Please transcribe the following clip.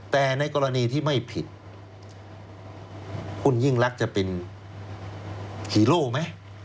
แต่ในกรณีที่ไม่ผิดคุณยิ่งรักจะเป็นฮีโร่ไหม